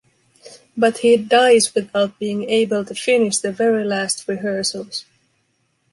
But he dies without being able to finish the very last rehearsals.